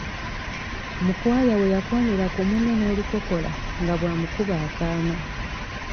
Mukwaya we yakoonera ku munne n'olukokola nga bw'amukuba akaama.